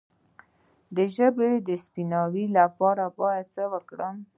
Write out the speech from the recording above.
د ژبې د سپینوالي لپاره باید څه وکړم؟